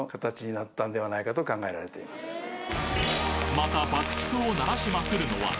また爆竹を鳴らしまくるのは